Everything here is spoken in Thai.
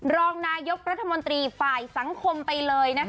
รองนายกรัฐมนตรีฝ่ายสังคมไปเลย